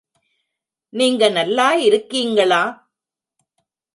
நீங்க நல்லா இருக்கீங்களா?